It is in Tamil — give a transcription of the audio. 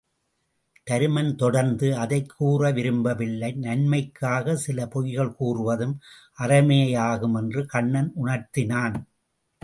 தருமன் தொடர்ந்து அதைக் கூற விரும்பவில்லை நன்மைக்காகச் சில பொய்கள் கூறுவதும் அறமே யாகும் என்று கண்ணன் உணர்த்தினான்.